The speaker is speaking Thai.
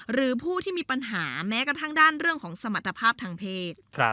หรือผู้ที่มีปัญหาแม้กระทั่งด้านเรื่องของสมรรถภาพทางเพศ